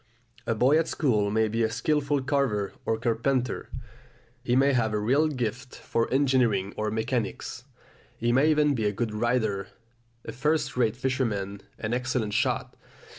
A boy at school may be a skilful carver or carpenter; he may have a real gift for engineering or mechanics; he may even be a good rider, a first rate fisherman, an excellent shot.